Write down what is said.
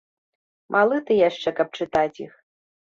Малы ты яшчэ, каб чытаць іх.